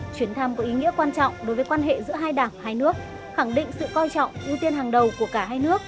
chuyến thăm có ý nghĩa quan trọng đối với quan hệ giữa hai đảng hai nước khẳng định sự coi trọng ưu tiên hàng đầu của cả hai nước